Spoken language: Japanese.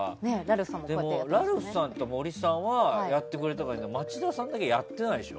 ラルフさんと森さんはやってくれたんだけど町田さんだけやってないでしょ？